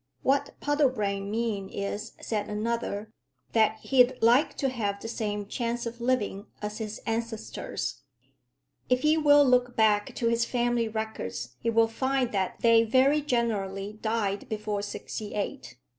"What Puddlebrane means is," said another, "that he'd like to have the same chance of living as his ancestors." "If he will look back to his family records he will find that they very generally died before sixty eight.